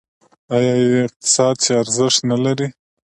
آیا یو اقتصاد چې ارزښت نلري؟